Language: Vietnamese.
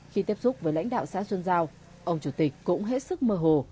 khi tiếp xúc với lãnh đạo xã xuân giao ông chủ tịch cũng hết sức mơ hồ